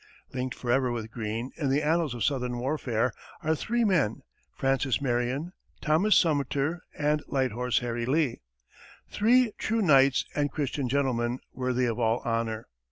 Linked forever with Greene in the annals of southern warfare, are three men Francis Marion, Thomas Sumter, and "Light Horse Harry" Lee three true knights and Christian gentlemen, worthy of all honor.